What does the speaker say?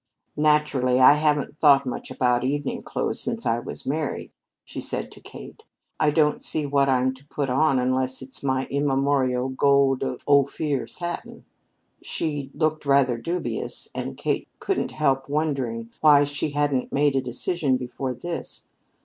"Naturally I haven't thought much about evening clothes since I was married," she said to Kate. "I don't see what I'm to put on unless it's my immemorial gold of ophir satin." She looked rather dubious, and Kate couldn't help wondering why she hadn't made a decision before this.